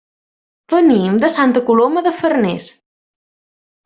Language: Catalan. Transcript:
Venim de Santa Coloma de Farners.